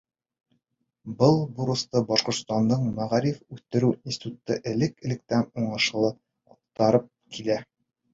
Был бурысты Башҡортостандың мәғарифты үҫтереү институты элек-электән уңышлы атҡарып килә.